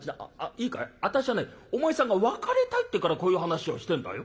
いいかい私はねお前さんが別れたいって言うからこういう話をしてんだよ」。